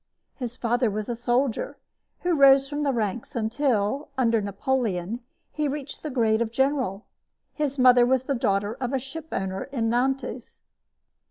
His father was a soldier who rose from the ranks until, under Napoleon, he reached the grade of general. His mother was the daughter of a ship owner in Nantes.